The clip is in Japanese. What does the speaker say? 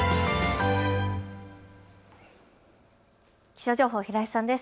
気象情報、平井さんです。